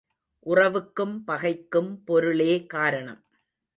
உறவுக்கும் பகைக்கும் பொருளே காரணம்.